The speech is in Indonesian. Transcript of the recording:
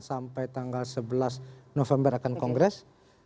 sampai tanggal sebelas november akan kongres